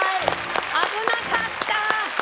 危なかった！